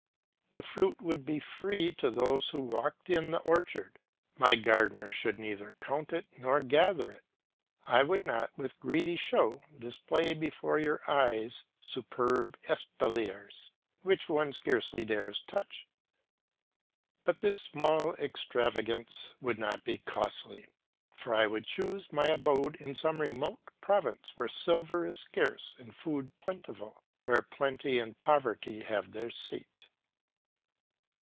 The fruit would be free to those who walked in the orchard, my gardener should neither count it nor gather it; I would not, with greedy show, display before your eyes superb espaliers which one scarcely dare touch. But this small extravagance would not be costly, for I would choose my abode in some remote province where silver is scarce and food plentiful, where plenty and poverty have their seat.